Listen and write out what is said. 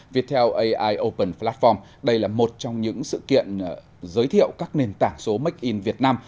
viettel ai open platform đây là một trong những sự kiện giới thiệu các nền tảng số make in việt nam